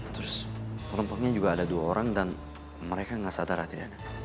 terus penumpangnya juga ada dua orang dan mereka nggak sadar